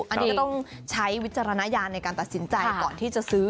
อันนี้ก็ต้องใช้วิจารณญาณในการตัดสินใจก่อนที่จะซื้อ